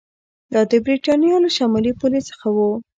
دا د برېټانیا له شمالي پولې څخه و